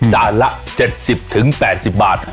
จานละ๗๐๘๐บาท